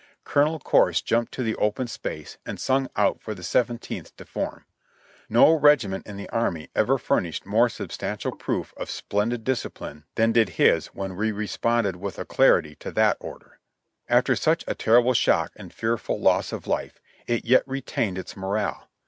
Colonel Corse jumped to the open space and sung out for the Seventeenth to form. No regiment in the army ever furnished more substantial proof of splendid discipHne than did his when we responded with alacrity to the order. After such a terrible shock and fearful loss of life, it yet retained its morale.